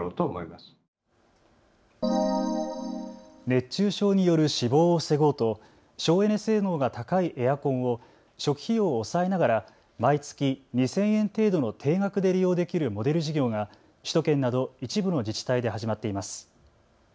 熱中症による死亡を防ごうと省エネ性能が高いエアコンを初期費用を抑えながら毎月２０００円程度の定額で利用できるモデル事業が首都圏など一部の自治体で始まっています。